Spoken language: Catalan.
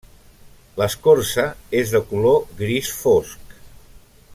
L'escorça és de color gris fosc.